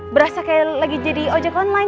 berasa kayak lagi jadi ojek online